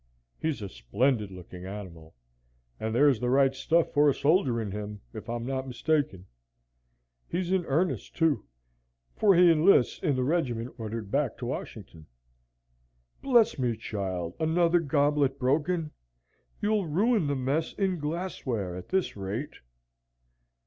He's a splendid looking animal, and there's the right stuff for a soldier in him, if I'm not mistaken. He's in earnest too, for he enlists in the regiment ordered back to Washington. Bless me, child, another goblet broken; you'll ruin the mess in glassware, at this rate!"